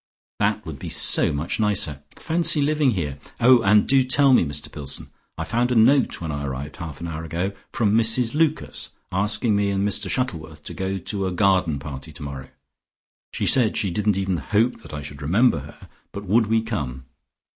That would be so much nicer. Fancy living here! Oh, and do tell me something, Mr Pillson. I found a note when I arrived half an hour ago, from Mrs Lucas asking me and Mr Shuttleworth to go to a garden party tomorrow. She said she didn't even hope that I should remember her, but would we come.